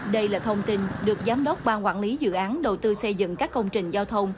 đây là thông tin được giám đốc ban quản lý dự án đầu tư xây dựng các công trình giao thông